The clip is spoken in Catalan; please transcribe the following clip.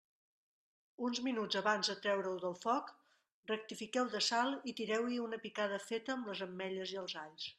Uns minuts abans de treure-ho del foc, rectifiqueu de sal i tireu-hi una picada feta amb les ametlles i els alls.